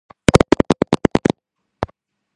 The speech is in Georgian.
შუა საუკუნეებში ის ხელიდან ხელში გადადიოდა.